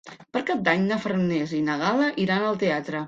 Per Cap d'Any na Farners i na Gal·la iran al teatre.